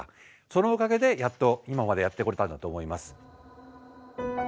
そのおかげでやっと今までやってこれたんだと思います。